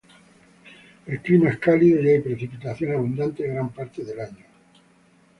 El clima es cálido y hay precipitaciones abundantes en gran parte del año.